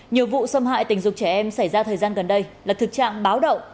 nhiều vụ xâm hại tình dục trẻ em xảy ra thời gian gần đây là thực trạng báo động